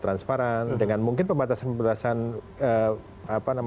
transparan dengan mungkin pembatasan pembatasan